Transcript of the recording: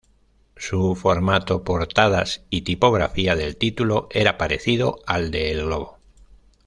Su formato, portadas y tipografía del título era parecido al de El Globo.